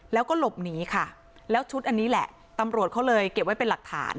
แล้วก็หลบหนีค่ะแล้วชุดอันนี้แหละตำรวจเขาเลยเก็บไว้เป็นหลักฐาน